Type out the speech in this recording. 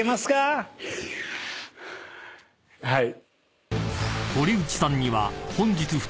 はい。